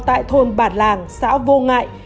tại thôn bản làng xã vô ngại